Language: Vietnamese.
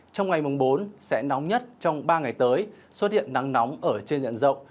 trong ngày mùng bốn sẽ nóng nhất trong ba ngày tới xuất hiện nắng nóng ở trên nhận rộng